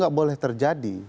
gak boleh terjadi